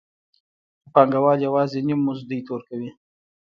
خو پانګوال یوازې نیم مزد دوی ته ورکوي